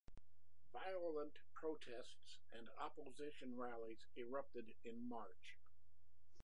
Violent protests and opposition rallies erupted in March.